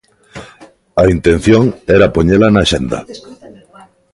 A intención era poñela na axenda.